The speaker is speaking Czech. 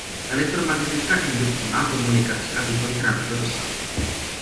Elektromagnetická indukce má komunikaci a výkon krátkého dosahu.